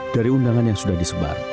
dari undangan yang sudah disebar